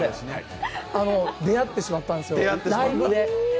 出会ってしまったんですよ、ライブで。